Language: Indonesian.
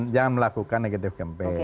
jangan melakukan negatif campaign ya